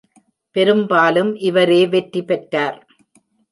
பெரும்பாலும் இவரே வெற்றி பெற்றார்.